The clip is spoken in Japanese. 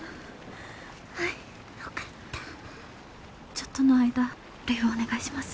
ちょっとの間るいをお願いします。